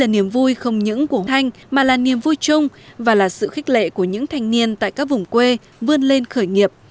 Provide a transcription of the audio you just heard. niềm vui không những của thanh mà là niềm vui chung và là sự khích lệ của những thanh niên tại các vùng quê vươn lên khởi nghiệp